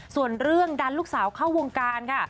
ส่วนเรื่องดันลูกสาวเข้าวงการค่ะ